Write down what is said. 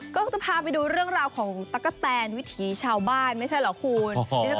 ก็จะพาไปดูเรื่องราวของตั๊กกะแตนวิถีชาวบ้านไม่ใช่เหรอคุณ